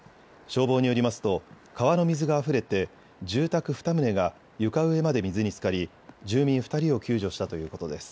消防によりますと川の水があふれて住宅２棟が床上まで水につかり住民２人を救助したということです。